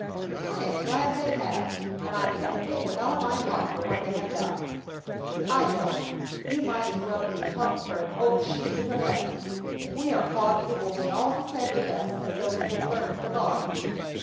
"I am glad they have; and I thank them with all my heart for what they have done." "I don't; you might as well be hung for an old sheep as a lamb. If we are caught it will be all the same with us as though we had burned the barn."